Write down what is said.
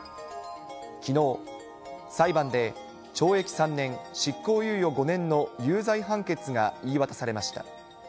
きのう、裁判で懲役３年執行猶予５年の有罪判決が言い渡されました。